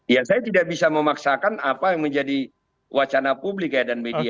ya saya tidak bisa memaksakan apa yang menjadi wacana publik ya dan media